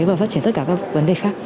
mà phát triển tất cả các vấn đề khác